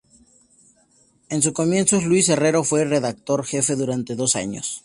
En sus comienzos, Luis Herrero fue redactor-jefe durante dos años.